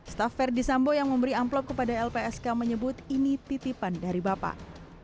staff verdi sambo yang memberi amplop kepada lpsk menyebut ini titipan dari bapak